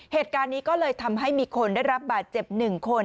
เหตุการณ์นี้ก็เลยทำให้มีคนได้รับบาดเจ็บ๑คน